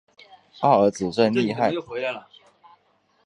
二儿子真厉害